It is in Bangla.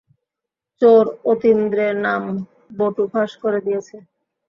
চোর অতীন্দ্রের নাম বটু ফাঁস করে দিয়েছে।